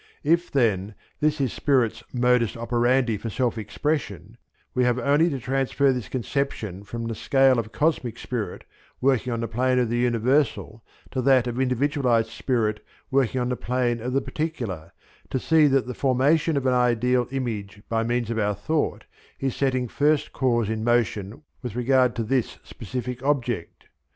If, then, this is spirit's modus operandi for self expression, we have only to transfer this conception from the scale of cosmic spirit working on the plane of the universal to that of individualized spirit working on the plane of the particular, to see that the formation of an ideal image by means of our thought is setting first cause in motion with regard to this specific object.